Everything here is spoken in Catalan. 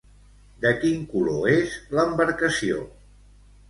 De quin color és l'embarcació?